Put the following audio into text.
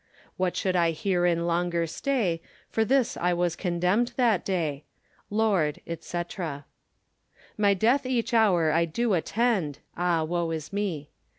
What should I heerein longer stay, For this I was condemned that day. Lord, &c. My death each houre I do attend; Ah woe is me.